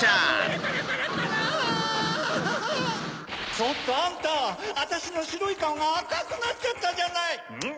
ちょっとあんたあたしのしろいカオがあかくなっちゃったじゃない！